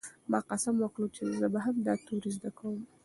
ما قسم وکړ چې زه به هم دا توري زده کوم.